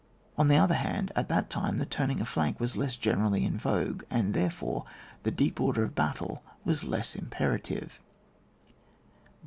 On the other hand, at that time the turning a fiank was less generally in vogue, and, there fore, the deep order of battle was less imperative.